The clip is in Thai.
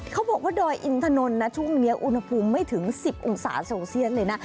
เขาบอกว่าดอยอินทนนท์นะช่วงนี้อุณหภูมิไม่ถึง๑๐องศาเซลเซียสเลยนะ